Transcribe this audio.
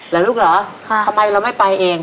เหรอลูกเหรอทำไมเราไม่ไปเอง